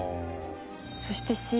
そしてＣ。